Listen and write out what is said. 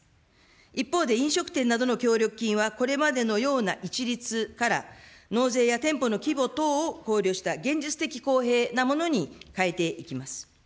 一方で飲食店などの協力金は、これまでのような一律から、納税や店舗の規模等を考慮した現実的公平なものに変えていきます。